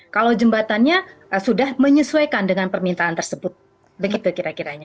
kalau jembatannya sudah menyesuaikan dengan permintaan tersebut begitu kira kiranya